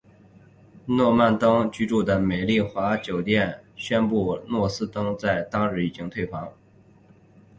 斯诺登居住的美丽华酒店宣布斯诺登在当日已经退房。